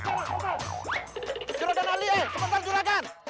julaga ali eh sebentar julaga